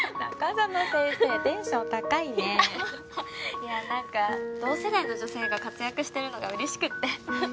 いやあなんか同世代の女性が活躍してるのが嬉しくって。